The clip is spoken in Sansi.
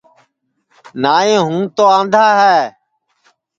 نائی ہوں تو آندھا ہے